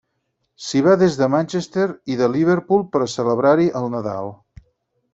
S'hi va des de Manchester i de Liverpool per celebrar-hi el Nadal.